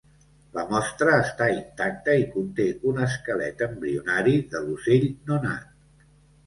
La mostra està intacta i conté un esquelet embrionari de l'ocell nonat.